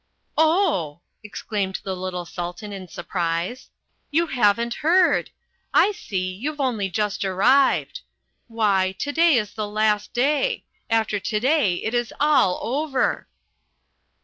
"Oh," exclaimed the little Sultan in surprise, "you haven't heard! I see you've only just arrived. Why, to day is the last day. After to day it is all over."